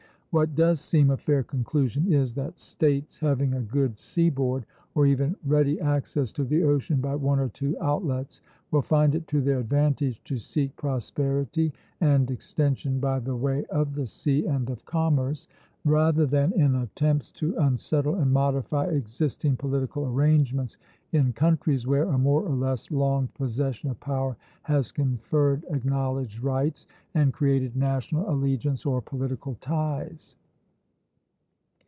What does seem a fair conclusion is, that States having a good seaboard, or even ready access to the ocean by one or two outlets, will find it to their advantage to seek prosperity and extension by the way of the sea and of commerce, rather than in attempts to unsettle and modify existing political arrangements in countries where a more or less long possession of power has conferred acknowledged rights, and created national allegiance or political ties.